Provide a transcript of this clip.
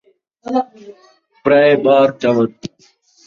پرائے بار چاوݨ